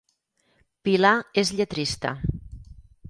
Pilar és lletrista